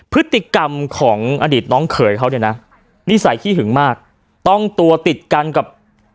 พฤติกรรมของอดีตน้องเขยเขาเนี่ยนะนิสัยขี้หึงมากต้องตัวติดกันกับ